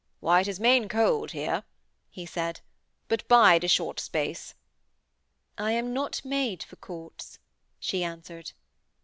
'Why, it is main cold here,' he said. 'But bide a short space.' 'I am not made for courts,' she answered.